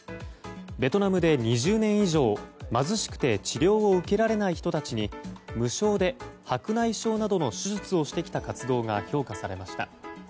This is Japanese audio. ベトナムで２０年以上、貧しくて治療を受けられない人たちに無償で白内障などの手術をしてきた活動が評価されました。